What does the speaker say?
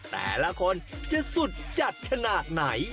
แต่ละคนจะสุดจัดขนาดไหน